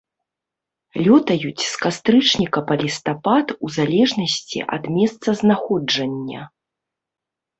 Лётаюць з кастрычніка па лістапад у залежнасці ад месцазнаходжання.